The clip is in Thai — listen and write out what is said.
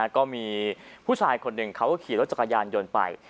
ก็มีผู้ชายคนหนึ่งเขาก็ขี่รถจักรยานยนต์ไป